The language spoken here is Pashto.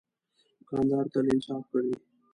دوکاندار تل انصاف کوي.